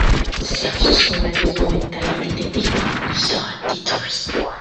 Si un fichier malveillant est alors détecté il sera détruit.